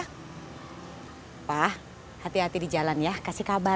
aku tidak tahu siapa nanti saya akan melunaskan gern ya bang